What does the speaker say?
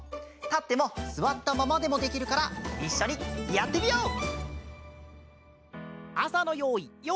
たってもすわったままでもできるからいっしょにやってみよう！